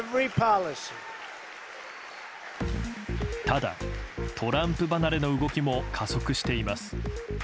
ただ、トランプ離れの動きも加速しています。